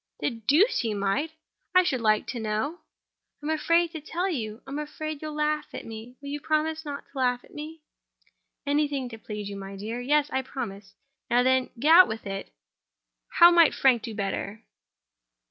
"The deuce he might! How, I should like to know?" "I'm afraid to tell you. I'm afraid you'll laugh at me. Will you promise not to laugh at me?" "Anything to please you, my dear. Yes: I promise. Now, then, out with it! How might Frank do better?"